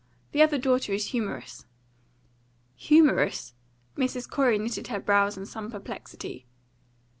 The other daughter is humorous." "Humorous?" Mrs. Corey knitted her brows in some perplexity.